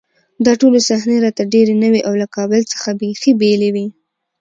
دا ټولې صحنې راته ډېرې نوې او له کابل څخه بېخي بېلې وې